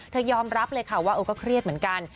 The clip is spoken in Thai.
ยอมรับเลยค่ะว่าก็เครียดเหมือนกัน